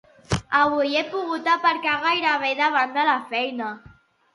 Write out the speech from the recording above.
Avui he pogut aparcar gairebé davant de la feina